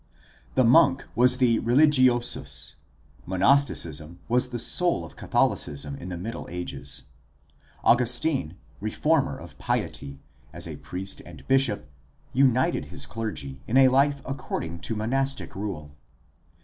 — The monk was the religiosus. Monasticism was the soul of Catholicism in the Middle Ages. Augustine, reformer of piety, as a priest and bishop united his clergy in a life according to monastic rule.